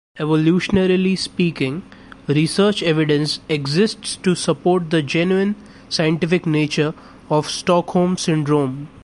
Evolutionarily speaking, research evidence exists to support the genuine scientific nature of Stockholm syndrome.